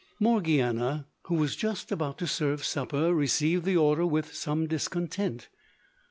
Morgiana, who was just about to serve supper, received the order with some discontent.